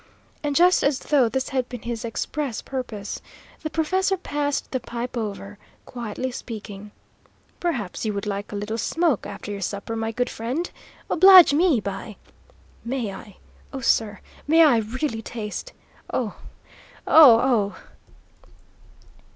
And just as though this had been his express purpose, the professor passed the pipe over, quietly speaking: "Perhaps you would like a little smoke after your supper, my good friend? Oblige me by " "May I? Oh, sir, may I really taste oh, oh, oh!"